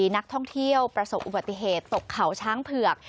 นักท่องเที่ยวประสบอุบัติเหตุตกเขาช้างเผือก